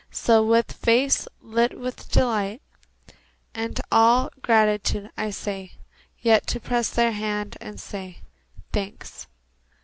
So, with face lit with delight And all gratitude, I stay Yet to press their hands and say, "Thanks.